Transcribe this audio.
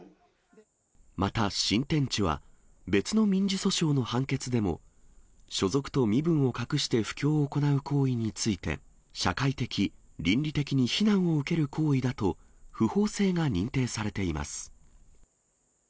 また新天地は、別の民事訴訟の判決でも、所属と身分を隠して布教を行う行為について、社会的、倫理的に非難を受ける行為だと不法性が認定されています。